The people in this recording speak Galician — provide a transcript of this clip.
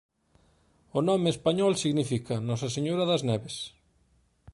O nome español significa "Nosa Señora das Neves".